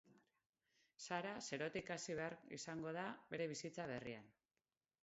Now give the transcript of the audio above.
Sara zerotik hasi behar izango da bere bizitza berrian.